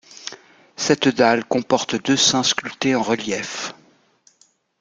Cette dalle comporte deux seins sculptés en relief.